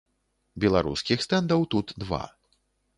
Беларускіх стэндаў тут два.